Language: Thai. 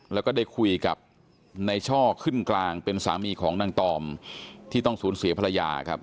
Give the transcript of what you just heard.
แล้วก็ได้คุยกับในช่อขึ้นกลางเป็นสามีของนางตอมที่ต้องสูญเสียภรรยาครับ